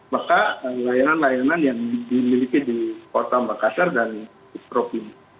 maka layanan layanan yang dimiliki di kota makassar dan provinsi